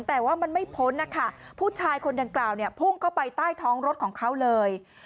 แต่ว่ามันไม่พ้นนะคะผู้ชายคนดังกล่าวเนี่ยพุ่งเข้าไปใต้ท้องรถของเขาเลย